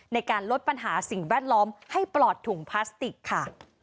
ในการลดปัญหาสิ่งแวดล้อมให้ปลอดถุงพลาสติกค่ะ